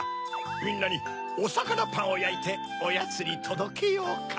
みんなにおさかなパンをやいておやつにとどけようか？